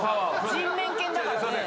人面犬だからね。